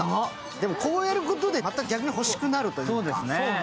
でもこうやることでまた逆に欲しくなる。